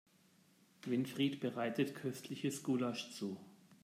Winfried bereitet köstliches Gulasch zu.